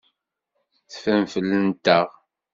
Teffrem fell-anteɣ.